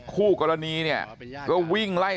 คู่กรณีเนี่ยก็วิ่งไล่